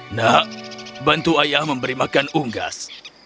nak bantu ayah memberi makan unggas